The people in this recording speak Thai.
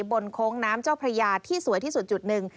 โค้งน้ำเจ้าพระยาที่สวยที่สุดจุดหนึ่ง